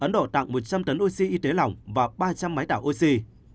ấn độ tặng một trăm linh tấn oxy y tế lỏng và ba trăm linh máy tạo oxy